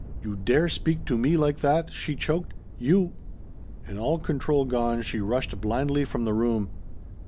"You dare speak to me like that!" she choked. "You !" And all control gone she rushed blindly from the room.